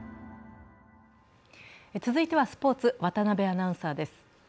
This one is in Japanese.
続いてはスポーツ、渡部アナウンサーです。